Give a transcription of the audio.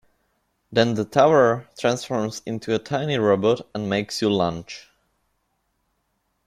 Then the tower transforms into a tiny robot and makes you lunch.